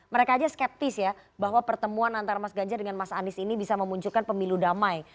mereka aja skeptis ya bahwa pertemuan antara mas ganjar dengan mas anies ini bisa memunculkan pemilu damai